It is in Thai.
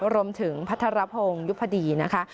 รวมถึงพัฒนภงยุพดีนะคะ